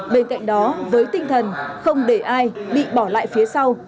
bên cạnh đó với tinh thần không để ai bị bỏ lại phía sau